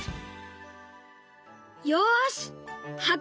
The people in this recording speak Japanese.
よしはっ